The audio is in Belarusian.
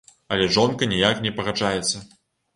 Але жонка ніяк не пагаджаецца.